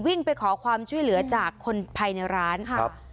วิ่งไปขอความช่วยเหลือจากคนภายในร้านครับ